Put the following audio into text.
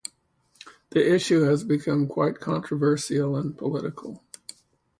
The issue has become quite controversial and political.